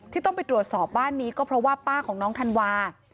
ที่ต้องไปตรวจสอบบ้านนี้ก็เพราะว่าป้าของน้องธันวา